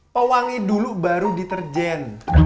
pewangi dulu baru deterjen